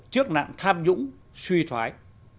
trước nạn tham dũng suy thoái